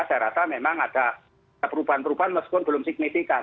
saya rasa memang ada perubahan perubahan meskipun belum signifikan